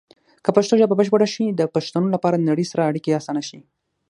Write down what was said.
که پښتو ژبه بشپړه شي، د پښتنو لپاره د نړۍ سره اړیکې اسانه شي.